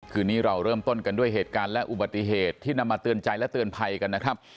คืนนี้เราเริ่มต้นกันด้วยเหตุการณ์และอุบัติเหตุที่นำมาเตือนใจและเตือนภัยกันนะครับ